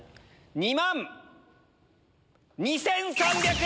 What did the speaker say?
２万２３００円！